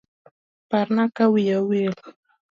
Parna kawiya owil.